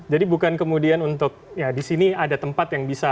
bukan kemudian untuk ya di sini ada tempat yang bisa